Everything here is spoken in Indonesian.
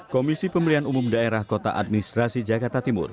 komisi pemilihan umum daerah kota administrasi jakarta timur